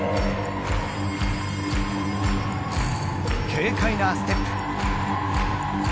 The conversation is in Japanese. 軽快なステップ